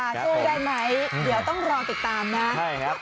ช่วยได้ไหมเดี๋ยวต้องรอติดตามนะ